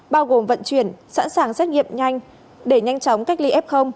bao gồm vận chuyển sẵn sàng xét nghiệm nhanh để nhanh chóng cách ly f